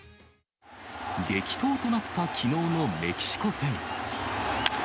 激闘となったきのうのメキシコ戦。